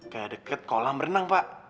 kayak deket kolam berenang pak